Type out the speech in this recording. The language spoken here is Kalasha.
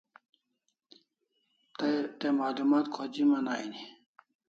Te malumat khojiman aini